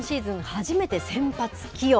初めて先発起用。